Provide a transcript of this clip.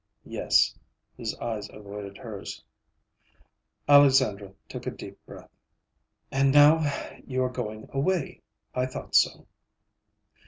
"Yes." His eyes avoided hers. Alexandra took a deep breath. "And now you are going away. I thought so."